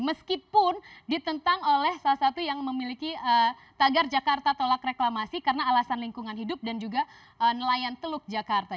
meskipun ditentang oleh salah satu yang memiliki tagar jakarta tolak reklamasi karena alasan lingkungan hidup dan juga nelayan teluk jakarta